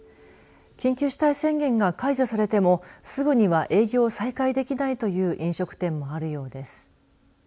緊急事態宣言が解除されてもすぐには営業再開できないという飲食店もあるようです。